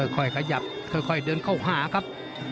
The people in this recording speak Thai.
ค่อยขยับค่อยเดินเข้าหาครับ